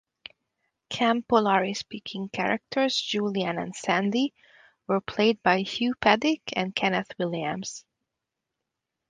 Camp Polari-speaking characters Julian and Sandy were played by Hugh Paddick and Kenneth Williams.